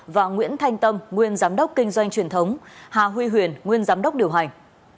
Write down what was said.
và nguyễn thanh tâm nguyên giám đốc kinh doanh truyền thống hà huy huyền nguyên giám đốc điều hành